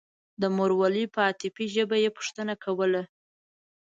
د مورولۍ په عاطفي ژبه به يې پوښتنه کوله.